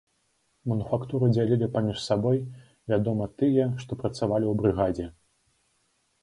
Мануфактуру дзялілі паміж сабой, вядома, тыя, што працавалі ў брыгадзе.